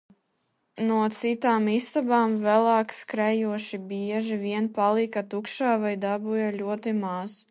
No citām istabām vēlāk skrejošie bieži vien palika tukšā vai dabūja ļoti maz.